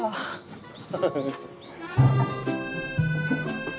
ハハハッ。